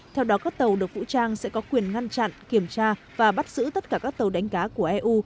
theo đó các tàu được vũ trang sẽ có quyền ngăn chặn kiểm tra và bắt giữ tất cả các tàu đánh cá của eu